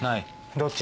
どっち？